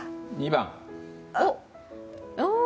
２番！